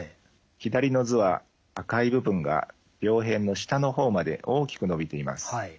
左の図は赤い部分が病変の下の方まで大きく伸びています。